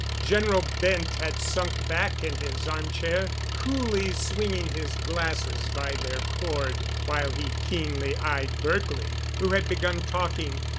General Bent had sunk back in his armchair, coolly swinging his glasses by their cord, while he keenly eyed Berkely, who had begun talking.